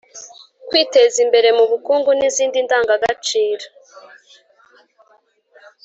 kwiteza imbere mu bukungu n’izindi ndangagaciro.